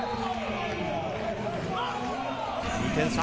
２点差。